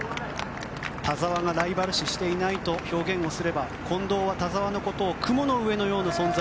田澤がライバル視していないと表現すれば近藤は田澤のことを雲の上の存在